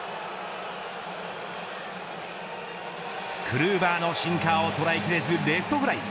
クルーバーのシンカーを捉えきれずレフトフライ。